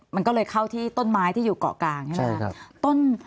มันก็เลยเข้าที่ต้นไม้ที่อยู่เกาะกลางใช่ไหมครับ